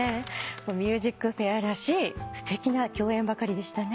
『ＭＵＳＩＣＦＡＩＲ』らしいすてきな共演ばかりでしたね。